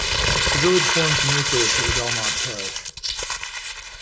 The village forms the nucleus of the Belmont parish.